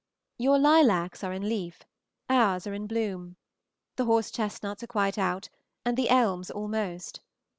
Your lilacs are in leaf, ours are in bloom. The horse chestnuts are quite out, and the elms almost.